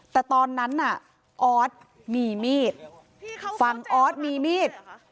แต่ตอนนั้นน่ะออสมีมีดฝั่งออสมีมีด